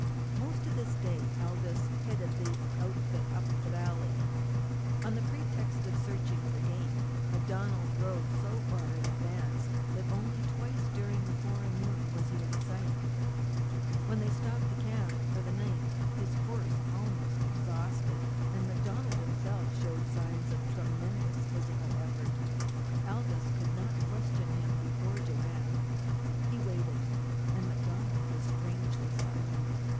Most of this day Aldous headed the outfit up the valley. On the pretext of searching for game MacDonald rode so far in advance that only twice during the forenoon was he in sight. When they stopped to camp for the night his horse was almost exhausted, and MacDonald himself showed signs of tremendous physical effort. Aldous could not question him before Joanne. He waited. And MacDonald was strangely silent.